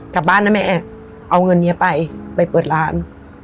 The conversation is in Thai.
กลับบ้านนะแม่แอบเอาเงินนี้ไปไปเปิดร้าน